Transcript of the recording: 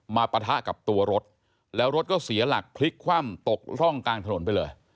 ปะทะกับตัวรถแล้วรถก็เสียหลักพลิกคว่ำตกร่องกลางถนนไปเลย